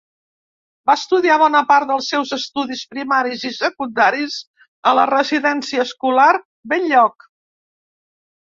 Va estudiar bona part dels seus estudis primaris i secundaris a La Residència Escolar Bell-lloc.